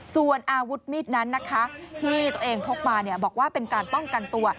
ส่วนอาวุธมีดนั้นนะคะที่ตัวเองพกมาบอกว่าเป็นการป้องกันตัว